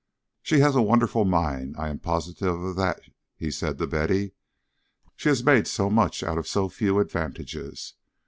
"She has a wonderful mind, I am positive of that," he said to Betty. "She has made so much out of so few advantages.